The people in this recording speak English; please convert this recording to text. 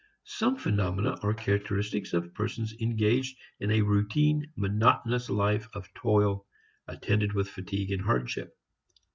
Some phenomena are characteristic of persons engaged in a routine monotonous life of toil attended with fatigue and hardship.